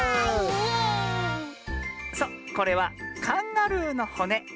そうこれはカンガルーのほね。